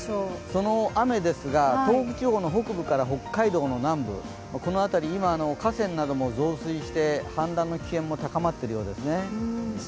その雨ですが、東北地方の北部から北海道の南部、今、河川なども増水して、氾濫の危険も高まっているようですね。